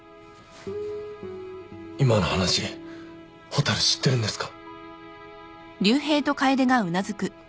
今の話蛍知ってるんですか？